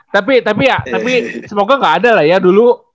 tapi semoga gak ada lah ya dulu